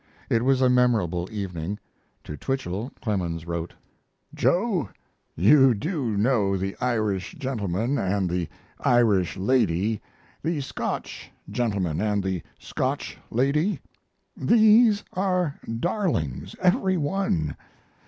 It was a memorable evening. To Twichell Clemens wrote: Joe, do you know the Irish gentleman & the Irish lady, the Scotch gentleman & the Scotch lady? These are darlings, every one.